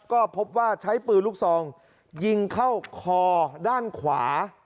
ก็พบว่าใช้ปืนลูกซองยิงเข้าคอด้านขวา